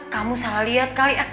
kamu salah liat kali